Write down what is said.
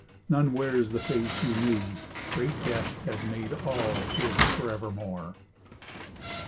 None wears the face you knew. Great death has made all his for evermore.